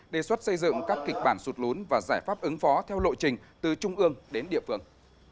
đề xuất xây dựng các kịch bản sụt lún và giải pháp ứng phó theo lộ trình từ trung ương đến địa phương